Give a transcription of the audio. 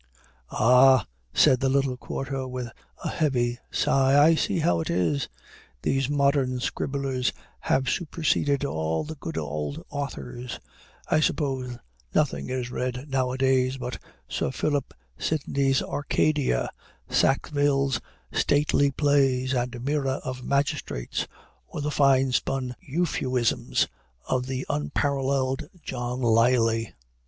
"Ah," said the little quarto, with a heavy sigh, "I see how it is; these modern scribblers have superseded all the good old authors. I suppose nothing is read now a days but Sir Philip Sydney's Arcadia, Sackville's stately plays, and Mirror for Magistrates, or the fine spun euphuisms of the 'unparalleled John Lyly.'"